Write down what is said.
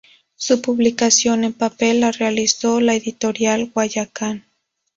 Su publicación en papel la realizó la Editorial Guayacán.